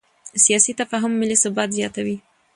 سیاسي تفاهم ملي ثبات زیاتوي